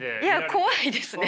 怖いですね。